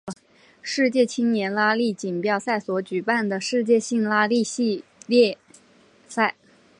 世界青年拉力锦标赛所举办的世界性拉力系列赛。